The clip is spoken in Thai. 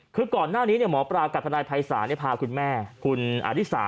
คือก่อนหน้านี้หมอปลากากทลายภัยศาลเนี่ยพาแม่ของคุณอดิสาไปยื่นบริการตัวลูกชาย